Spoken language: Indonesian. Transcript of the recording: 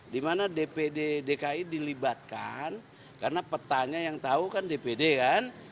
dimana dpd dki dilibatkan karena petanya yang tahu kan dpd kan